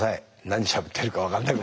何しゃべってるか分かんなくなって。